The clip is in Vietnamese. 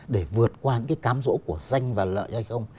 để vượt qua những cái cám rỗ của danh và lợi hay không